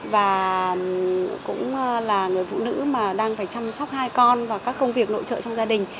và cũng là người phụ nữ mà đang phải chăm sóc hai con và các công việc nội trợ trong gia đình